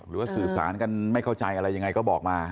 หรือว่าสื่อสารกันไม่เข้าใจอะไรยังไงก็บอกมา